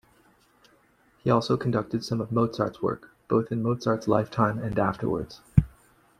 He also conducted some of Mozart's works, both in Mozart's lifetime and afterwards.